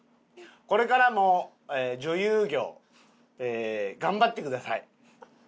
これからも女優業頑張ってください。